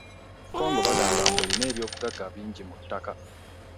Congo bagamba mbu erina eby'obugagga bingi mu ttaka.